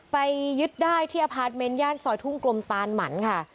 ไปยึดได้ที่อพาร์ทเมนต์ย่านซอยทุ่งกลมตานหมันค่ะ